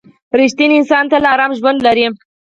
• رښتینی انسان تل ارام ژوند لري.